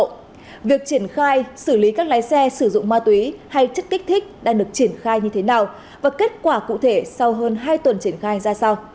vậy việc triển khai xử lý các lái xe sử dụng ma túy hay chất kích thích đang được triển khai như thế nào và kết quả cụ thể sau hơn hai tuần triển khai ra sao